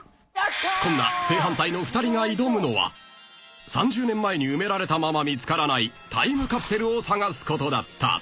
［こんな正反対の２人が挑むのは３０年前に埋められたまま見つからないタイムカプセルを探すことだった］